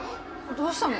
どうしたの？